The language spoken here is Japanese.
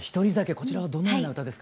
こちらはどのような歌ですか。